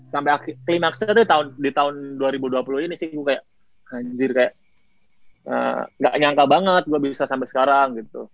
sampai klimaksnya tuh di tahun dua ribu dua puluh ini sih kayak banjir kayak gak nyangka banget gue bisa sampai sekarang gitu